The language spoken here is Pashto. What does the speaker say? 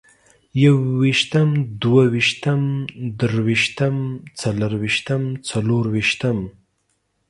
يوويشتم، دوه ويشتم، درويشتم، څلرويشتم، څلورويشتم